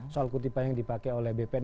soal kutipan yang dipakai oleh bpn